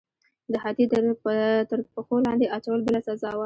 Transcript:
د هاتي تر پښو لاندې اچول بله سزا وه.